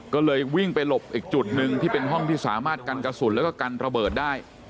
ก็เลยวิ่งไปหลบอีกจุดหนึ่งที่เป็นห้องที่สามารถกันกระสุนแล้วก็กันระเบิดได้